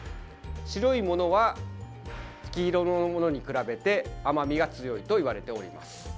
白いものは黄色のものに比べて甘みが強いといわれております。